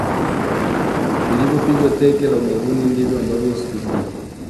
Nilivyopigwa teke la ubavuni ndivyo ambavyo sikujua